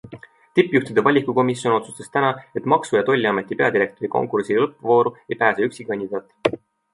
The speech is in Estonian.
Tippjuhtide valikukomisjon otsustas täna, et maksu- ja tolliameti peadirektori konkursi lõppvooru ei pääse ükski kandidaat.